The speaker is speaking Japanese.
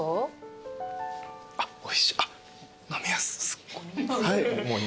あっおいしい。